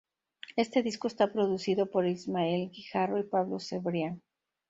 Este disco está producido por Ismael Guijarro y Pablo Cebrián.